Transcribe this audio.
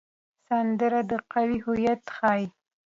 سندره د قوم هویت ښيي